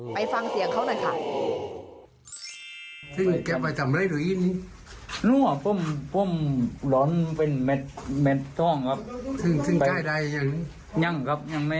ฟังเสียงเขาหน่อยค่ะ